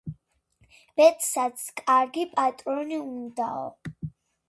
ბედსაც კარგი, პატრონი უნდაო.